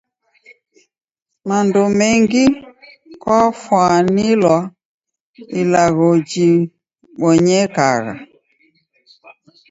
Mando mengi kwafwanilwa ilagho jibonyekagha.